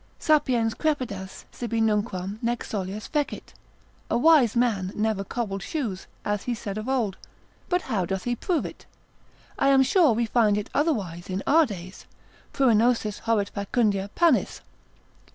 Sapiens crepidas sibi nunquam nec soleas fecit, a wise man never cobbled shoes; as he said of old, but how doth he prove it? I am sure we find it otherwise in our days, pruinosis horret facundia pannis.